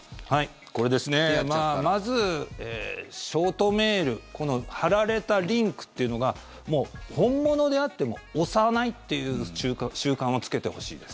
これですねまずショートメール貼られたリンクというのが本物であっても押さないという習慣をつけてほしいです。